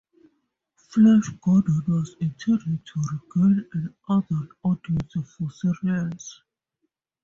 "Flash Gordon" was intended to regain an adult audience for serials.